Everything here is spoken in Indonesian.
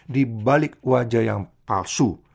di balik wajah yang palsu